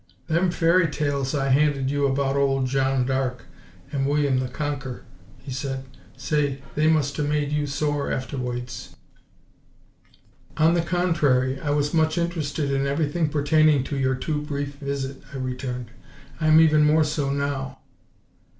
"Them fairy tales I handed you about ole Jeanne d'Arc and William the Conker," he said, "say, they must 'a' made you sore after WOIDS!" "On the contrary, I was much interested in everything pertaining to your too brief visit," I returned; "I am even more so now."